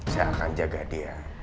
saya akan jaga dia